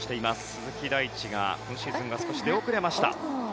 鈴木大地が今シーズンは少し出遅れました。